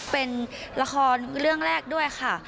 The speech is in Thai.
เป็นละครเรื่องแรกด้วยค่ะ